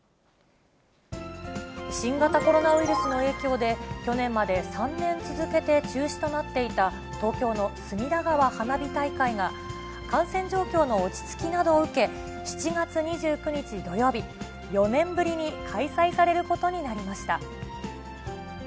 新型コロナウイルスの影響で、去年まで３年続けて中止となっていた、東京の隅田川花火大会が、感染状況の落ち着きなどを受け、７月２９日土曜日、４年ぶりに開催されることになりました。